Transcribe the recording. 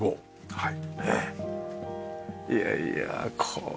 はい。